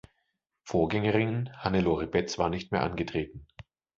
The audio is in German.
Vorgängerin Hannelore Betz war nicht mehr angetreten.